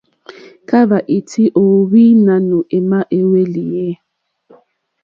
Kahva iti o ohwi nanù ema i hwelì e?